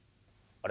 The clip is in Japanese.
あれ？